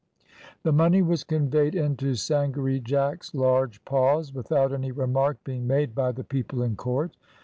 The money was conveyed into Sangaree Jack's large paws, without any remark being made by the people in court.